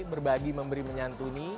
berbagi memberi menyentuni